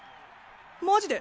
マジで？